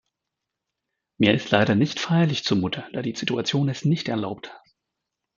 Mir ist leider nicht feierlich zumute, da die Situation es nicht erlaubt.